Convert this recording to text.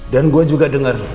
dan saya juga dengar